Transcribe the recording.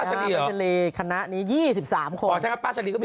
เอาไปกับพี่ป้าชะลีเหรอ